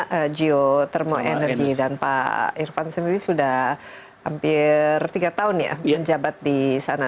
pak geothermal energy dan pak irvan sendiri sudah hampir tiga tahun ya menjabat di sana